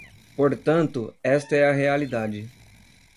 Portanto, esta é a realidade.